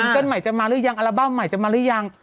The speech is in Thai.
เกิ้ลใหม่จะมาหรือยังอัลบั้มใหม่จะมาหรือยัง